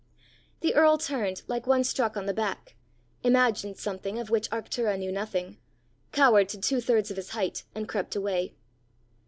The earl turned like one struck on the back, imagined something of which Arctura knew nothing, cowered to two thirds of his height, and crept away.